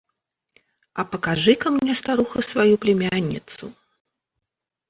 – «А покажи-ка мне, старуха, свою племянницу».